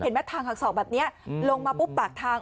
เห็นไหมทางศักดิ์สอบแบบนี้ลงมาปุ๊บปากทาง